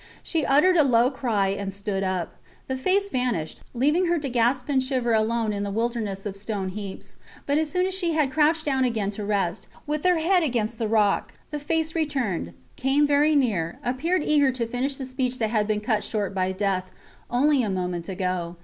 She uttered a low cry and stood up. The face vanished, leaving her to gasp and shiver alone in the wilderness of stone heaps. But as soon as she had crouched down again to rest, with her head against the rock, the face returned, came very near, appeared eager to finish the speech that had been cut short by death, only a moment ago.